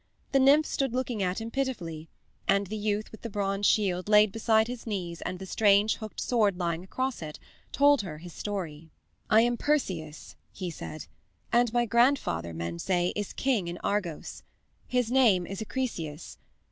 The nymph stood looking at him pitifully, and the youth, with the bronze shield laid beside his knees and the strange hooked sword lying across it, told her his story. "I am Perseus," he said, "and my grandfather, men say, is king in Argos. His name is Acrisius.